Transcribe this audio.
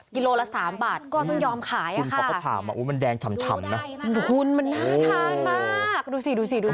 กิโลละ๓บาทก็ต้องยอมขายอ่ะค่ะมันแดงฉ่ำนะมันน่าทานมากดูสิดูสิดูสิ